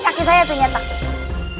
ini kaki saya tuh nyetak